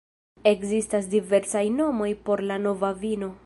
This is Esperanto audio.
Ekzistas diversaj nomoj por la nova vino.